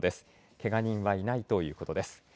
けが人はいないということです。